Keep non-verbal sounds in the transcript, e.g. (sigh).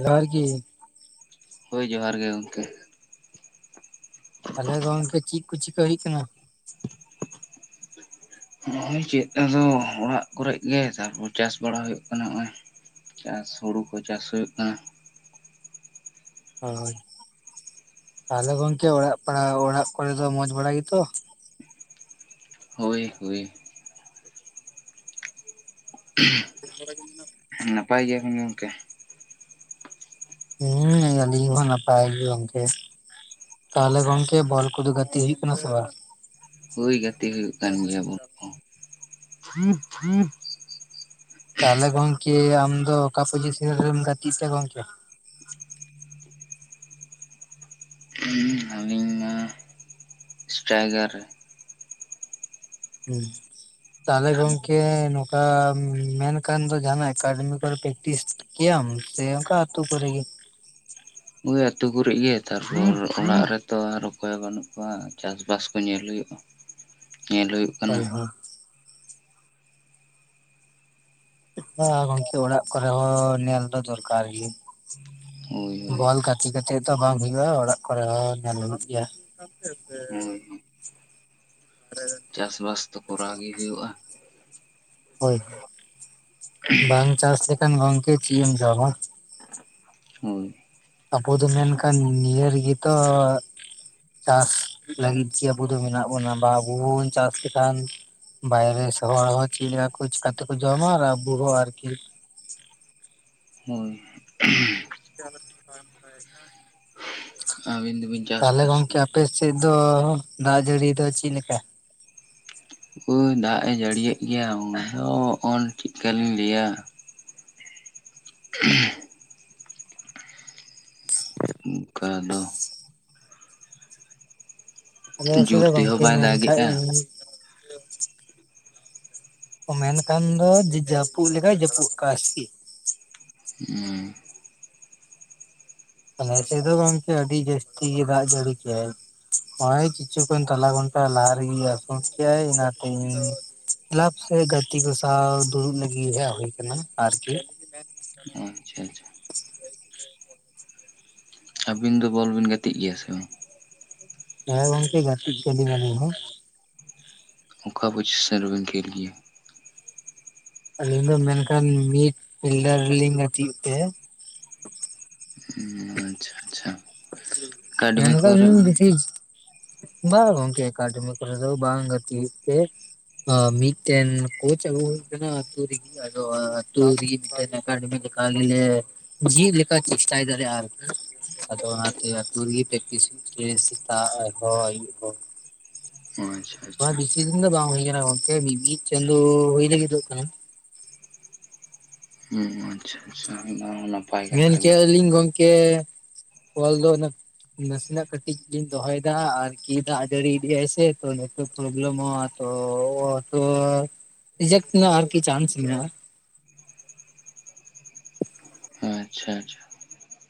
ᱡᱚᱦᱟᱨ ᱜᱮ ᱦᱳᱭ ᱡᱚᱦᱟᱨ ᱜᱮ ᱜᱚᱝᱠᱮ, ᱛᱟᱞᱦᱮ ᱜᱚᱝᱠᱮ ᱪᱤᱫ ᱠᱚ ᱪᱤᱠᱟ ᱦᱩᱭᱩᱜ ᱠᱟᱱᱟ? ᱱᱚᱜᱚᱭ ᱪᱮᱫ ᱟᱫᱚ ᱚᱲᱟᱜ ᱠᱚᱨᱮᱜ ᱜᱮ᱾ ᱛᱟᱨᱯᱚᱨ ᱪᱟᱥ ᱵᱟᱲᱟ ᱦᱩᱭᱩᱜ ᱠᱟᱱᱟ ᱱᱚᱜᱼᱚᱭ᱾ ᱪᱟᱥ ᱦᱩᱬᱩ ᱠᱚ ᱪᱟᱥ ᱦᱩᱭᱩᱜ ᱠᱟᱱᱟ᱾ ᱦᱳᱭ, ᱛᱟᱦᱚᱞᱮ ᱜᱚᱝᱠᱮ ᱚᱲᱟᱜ ᱯᱟᱲᱟ ᱚᱲᱟᱜ ᱠᱚᱨᱮ ᱫᱚ ᱢᱚᱸᱡᱽ ᱵᱟᱲᱟ ᱜᱮᱛᱚ? ᱦᱳᱭ, ᱦᱳᱭ, (inaudible) (unintelligible) ᱱᱟᱯᱟᱭ ᱜᱮ ᱢᱤᱱᱟᱹᱧᱟ ᱜᱚᱝᱠᱮ᱾ ᱦᱮᱸ, ᱟᱹᱞᱤᱧ ᱦᱚᱸ ᱱᱟᱯᱟᱭ ᱜᱮ ᱜᱚᱝᱠᱮ᱾ ᱛᱟᱦᱚᱞᱮ ᱜᱚᱝᱠᱮ ᱵᱚᱞ ᱠᱚᱫᱚ ᱜᱟᱛᱤ ᱦᱩᱭᱩᱜ ᱠᱟᱱᱟ ᱥᱮ ᱵᱟᱝ᱾ ᱦᱳᱭ ᱜᱟᱛᱤᱜ ᱦᱩᱭᱩᱜ ᱠᱟᱱ ᱜᱮᱭᱟ ᱵᱚᱞ ᱦᱚᱸ᱾ ᱛᱟᱦᱚᱞᱮ ᱜᱚᱝᱠᱮ ᱟᱢ ᱫᱚ, ᱚᱠᱟ ᱯᱚᱡᱤᱥᱚᱱ ᱨᱮᱢ ᱜᱟᱛᱮᱜ ᱛᱮ ᱜᱚᱝᱠᱮ? ᱦᱮᱸ ᱟᱹᱞᱤᱧ ᱢᱟ ᱤᱥᱴᱟᱭᱜᱟᱨ ᱨᱮ᱾ ᱦᱩᱸ ᱛᱟᱦᱚᱞᱮ ᱜᱚᱝᱠᱮ ᱱᱚᱝᱠᱟ ᱢᱮᱱᱠᱷᱟᱱ ᱫᱚ, ᱡᱟᱦᱱᱟᱜ ᱮᱠᱟᱰᱮᱢᱤ ᱠᱚᱨᱮ ᱯᱮᱠᱴᱤᱥ ᱠᱮᱭᱟᱢ ᱥᱮ, ᱚᱱᱠᱟ ᱟᱹᱛᱩ ᱠᱚᱨᱮ ᱜᱮ? ᱳᱭ ᱟᱹᱛᱩ ᱜᱩᱨᱤᱡ ᱜᱮ, ᱛᱟᱨᱯᱚᱨ ᱚᱲᱟᱜ ᱨᱮᱛᱚ ᱟᱨ ᱚᱠᱚᱭ ᱦᱚᱸ ᱵᱟᱹᱱᱩᱜ ᱠᱚᱣᱟ᱾ ᱪᱟᱥ ᱵᱟᱥ ᱠᱚ ᱧᱮᱞ ᱦᱩᱭᱩᱜᱼᱟ᱾ ᱧᱮᱞ ᱦᱩᱭᱩᱜ ᱠᱟᱱᱟ ᱚᱭ ᱦᱚᱸ ᱦᱚ ᱜᱚᱝᱠᱮ ᱚᱲᱟᱜ ᱠᱚᱨᱮ ᱦᱚᱸ, ᱧᱮᱞ ᱫᱚ ᱫᱚᱨᱠᱟᱨ ᱜᱮ᱾ ᱦᱳᱭ ᱦᱳᱭ ᱵᱚᱞ ᱜᱟᱛᱮ ᱠᱟᱛᱮᱜ ᱫᱚ ᱵᱟᱝ ᱦᱳᱭᱳᱜᱼᱟ ᱾ ᱚᱲᱟᱜ ᱠᱚᱨᱮ ᱦᱚᱸ ᱧᱮᱞ ᱦᱩᱭᱩᱼᱜ ᱜᱮᱭᱟ᱾ ᱱᱳᱛᱮ ᱛᱮ (unintelligible) ᱪᱟᱥ ᱵᱟᱥ ᱫᱚ ᱠᱚᱨᱟᱣ ᱜᱮ ᱦᱩᱭᱩᱜᱼᱟ᱾ ᱦᱳᱭ᱾ ᱵᱟᱝ ᱪᱟᱥ ᱞᱮᱠᱷᱟᱱ ᱜᱚᱝᱠᱮ ᱪᱮᱫ ᱮᱢ ᱡᱚᱢᱟ? ᱦᱳᱭ ᱟᱵᱚ ᱫᱚ ᱢᱮᱱᱠᱷᱟᱱ ᱱᱤᱭᱟᱹ ᱨᱮᱜᱮᱛᱚ ᱪᱟᱥ ᱞᱟᱹᱜᱤᱫ ᱜᱮ ᱟᱵᱚ ᱫᱚ ᱢᱮᱱᱟᱜ ᱵᱚᱱᱟ ᱾ ᱵᱟ ᱵᱚᱱ ᱪᱟᱥ ᱞᱮᱠᱷᱟᱱ ᱵᱟᱭᱨᱮ ᱦᱚᱲ ᱦᱚᱸ ᱪᱮᱫ ᱞᱮᱠᱟ ᱪᱤᱠᱟᱛᱮᱠᱩ ᱡᱚᱢᱟ᱾ ᱟᱨ ᱟᱵᱚ ᱦᱚᱸ ᱟᱨᱠᱤ ᱦᱳᱭ ᱪᱟᱞᱟᱭ (unintelligible) ᱡᱚᱢᱟᱧ ᱛᱟᱦᱚᱞᱮ ᱜᱚᱝᱠᱮ ᱟᱯᱮ ᱥᱮᱫ ᱫᱚ, ᱫᱟᱜ ᱡᱟᱹᱲᱤ ᱫᱚ ᱪᱮᱫ ᱞᱮᱠᱟ? ᱳᱭ ᱫᱟᱜ ᱮ ᱡᱟᱹᱲᱤᱭᱮᱜ ᱜᱮᱭᱟ ᱾ ᱚᱱᱟ ᱦᱚᱸ ᱪᱮᱠᱟᱞᱤᱧ ᱞᱟᱹᱭᱟ᱾ (inaudible) ᱚᱱᱠᱟ ᱫᱚ ᱟᱞᱮ ᱡᱳᱨ ᱥᱮᱨᱮ ᱛᱮᱦᱚᱸ ᱜᱚᱝᱠᱮ ᱵᱟᱭ ᱢᱮᱱᱠᱷᱟᱡ ᱫᱟᱜᱮᱜᱼᱟ ᱤᱧ ᱢᱮᱱᱠᱷᱟᱱ ᱫᱚ ᱡᱟᱹᱯᱩᱫ ᱞᱮᱠᱟᱭ ᱡᱟᱹᱯᱩᱫ ᱠᱟᱜ ᱟᱭ ᱟᱨᱠᱤ ᱦᱮᱸ ᱟᱞᱮᱥᱮᱜ ᱫᱚ ᱜᱚᱝᱠᱮ, ᱟᱹᱰᱤ ᱡᱟᱹᱥᱛᱤ ᱜᱮ ᱫᱟᱜ ᱡᱟᱹᱲᱤ ᱠᱮᱟᱭ᱾ ᱦᱚᱭ ᱠᱤᱪᱷᱩ ᱠᱷᱚᱱᱟᱜ ᱜᱚᱝᱠᱮ (unintelligible) ᱜᱷᱚᱱᱴᱟ ᱞᱟᱦᱟ ᱨᱮᱜᱮ ᱟᱥ ᱠᱮᱜᱟᱭ ᱚᱱᱟᱛᱮ ᱤᱧ ᱠᱞᱟᱯ ᱥᱮ ᱜᱟᱛᱮ ᱠᱚ ᱥᱟᱶ ᱫᱩᱲᱩᱵ ᱞᱟᱹᱜᱤᱫ ᱦᱮᱡ ᱦᱩᱭ ᱟᱠᱟᱱᱟ ᱾ ᱟᱨᱠᱤ ᱟᱪᱪᱷᱟ ᱟᱪᱪᱷᱟ ᱟᱹᱵᱤᱱ ᱫᱚ ᱵᱚᱞ ᱵᱤᱱ ᱜᱟᱛᱮᱜ ᱜᱮᱭᱟ ᱥᱮ ᱵᱟᱝ? ᱦᱮᱸ ᱜᱚᱝᱠᱮ ᱜᱟᱛᱮᱜ ᱜᱟᱹᱞᱤᱧ ᱟᱞᱤᱧ ᱦᱚᱸ᱾ ᱚᱠᱟ ᱯᱳᱡᱤᱥᱮᱱᱹ ᱨᱮᱵᱮᱱ ᱠᱤᱨᱤᱝ ᱧᱮ ᱟ᱾ ᱟᱹᱞᱤᱧ ᱫᱚ ᱢᱮᱱᱠᱷᱟᱱ ᱢᱤᱫ ᱯᱷᱤᱞᱰᱟᱨ ᱨᱮ ᱞᱤᱧ ᱜᱟᱛᱮᱜ ᱛᱮ᱾ ᱦᱩᱸ ᱟᱪᱪᱷᱟ - ᱟᱪᱪᱷᱟ᱾ ᱢᱮᱱ ᱮᱠᱟᱰᱮᱢᱤ ᱠᱚᱨᱮ ᱫᱟᱞᱤᱧ ᱵᱮᱥᱤ ᱵᱟᱝ ᱜᱚᱝᱠᱮ, ᱮᱠᱟᱰᱳᱢᱤ ᱠᱚᱨᱮ ᱫᱚ ᱵᱟᱝ ᱜᱟᱛᱤ ᱢᱤᱫᱴᱮᱱ ᱠᱳᱪ ᱟᱹᱜᱩ ᱦᱩᱭ ᱠᱟᱱᱟ᱾ ᱟᱹᱛᱩ ᱨᱮᱜᱮ᱾ ᱟᱫᱚ (unintelligible) ᱞᱮᱠᱟ ᱡᱮ ᱞᱮᱠᱟ ᱪᱮᱥᱴᱟᱭ ᱫᱟᱞᱮ ᱟᱨᱠᱤ, ᱟᱫᱚ ᱟᱹᱛᱩ ᱨᱮᱜᱮ ᱯᱮᱠᱴᱤᱥ ᱦᱩᱭᱩᱜ ᱜᱮᱭᱟ᱾ ᱥᱮᱛᱟᱜ ᱦᱚᱸ ᱟᱭᱩᱵ ᱦᱚᱸ᱾ ᱚ ᱟᱪᱪᱷᱟ ᱟᱪᱪᱷᱟ (unintelligible) ᱵᱤᱥᱤ ᱫᱤᱱ ᱫᱚ ᱵᱟᱝ ᱦᱳᱭ ᱟᱠᱟᱱᱟ ᱜᱚᱝᱠᱮ ᱢᱤ ᱢᱤᱫ ᱪᱟᱸᱫᱳ ᱦᱳᱭ ᱞᱟᱹᱜᱤ ᱫᱚᱜ ᱠᱟᱱᱟ᱾ ᱦᱩᱸ ᱟᱪᱪᱷᱟ - ᱟᱪᱪᱷᱟ ᱚᱱᱟ, ᱚᱱᱟ ᱢᱮᱱ ᱠᱮᱭᱟ ᱞᱤᱧ ᱜᱚᱝᱠᱮ ᱠᱚᱞ ᱫᱚ ᱚᱱᱟ ᱱᱟᱥᱮᱱᱟᱜ ᱠᱟᱹᱴᱤᱡ ᱞᱤᱧ ᱫᱚᱦᱚᱭ ᱫᱟ ᱟᱨᱠᱤ ᱫᱟᱜ ᱡᱟᱹᱲᱤ ᱤᱫᱤᱭᱮ ᱟᱭ ᱥᱮ, ᱛᱚ ᱯᱨᱚᱵᱮᱞᱮᱢᱚᱜᱼᱟ ᱛᱚ ᱨᱤᱡᱮᱠ ᱨᱮᱱᱟᱜ ᱪᱟᱸᱱᱥ ᱢᱮᱱᱟᱜᱼᱟ᱾ ᱟᱪᱪᱷᱟ ᱟᱪᱪᱷᱟ